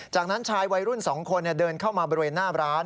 จากนั้นชายวัยรุ่น๒คนเดินเข้ามาบริเวณหน้าร้าน